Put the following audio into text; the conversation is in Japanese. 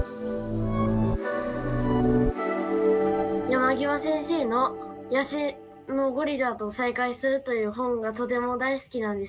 山極先生の「野生のゴリラと再会する」という本がとても大好きなんですけど。